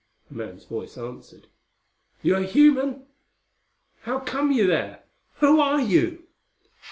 A man's voice answered, "You are a human? How come you there? Who are you?"